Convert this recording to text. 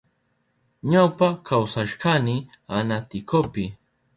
Ñawpa kawsashkani Anaticopi.